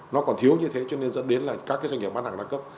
nó còn thiếu như thế cho nên dẫn đến các doanh nghiệp bán hàng đa cấp